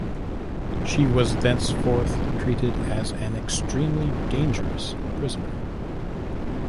She was thenceforth treated as an extremely dangerous prisoner.